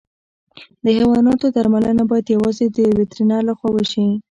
د حیواناتو درملنه باید یوازې د وترنر له خوا وشي.